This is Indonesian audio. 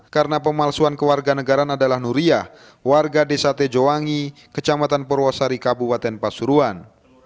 karena pemalsuan kewarganegaran adalah nuriyah warga desa tejoangi kecamatan perwosari kabupaten pasuruan